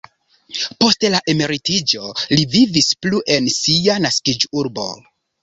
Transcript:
Post la emeritiĝo li vivis plu en sia naskiĝurbo.